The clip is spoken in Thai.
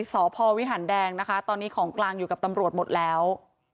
สพวิหารแดงนะคะตอนนี้ของกลางอยู่กับตำรวจหมดแล้ว